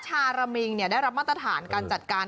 ชาระมิงได้รับมาตรฐานการจัดการ